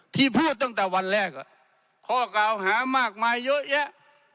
ที่พูดตั้งแต่วันแรกข้อกล่าวหามากมายเยอะแยะ